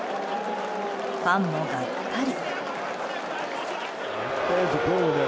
ファンもがっかり。